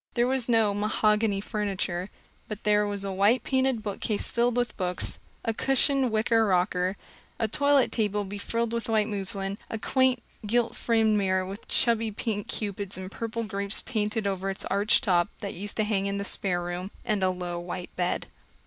There was no "mahogany furniture," but there was a white painted bookcase filled with books, a cushioned wicker rocker, a toilet table befrilled with white muslin, a quaint, gilt framed mirror with chubby pink Cupids and purple grapes painted over its arched top, that used to hang in the spare room, and a low white bed.